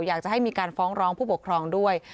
อยากจะให้มีการฟ้องร้องผู้ปกครองด้วย